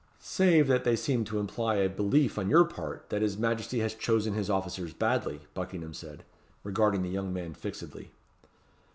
"Save that they seem to imply a belief on your part that his Majesty has chosen his officers badly," Buckingham said, regarding the young man fixedly.